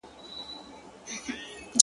د څڼور سندرې چي په زړه کي اوسي,